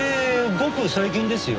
ごく最近ですよ。